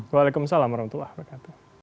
waalaikumsalam warahmatullah wabarakatuh